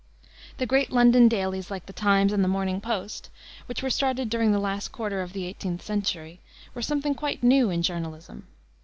The great London dailies, like the Times and the Morning Post, which were started during the last quarter of the 18th century, were something quite new in journalism.